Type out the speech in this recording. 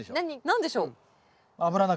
何でしょう？